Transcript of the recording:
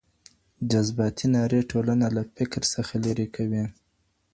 جذباتي نارې ټولنه له فکر څخه لیري کوي.